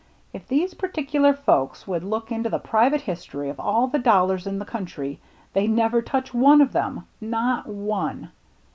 if these particular folks would look into the private history of all the dollars in the country, they'd never touch one of them, — not one.